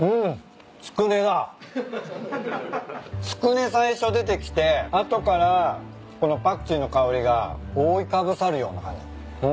つくね最初出てきて後からこのパクチーの香りが覆いかぶさるような感じ。